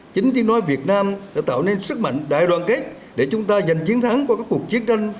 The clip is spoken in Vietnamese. chính tiếng nói việt nam đã tạo nên sức mạnh đại đoàn kết để chúng ta giành chiến thắng qua các cuộc chiến tranh